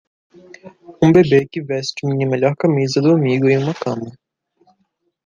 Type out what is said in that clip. Um bebê que veste minha melhor camisa do amigo em uma cama.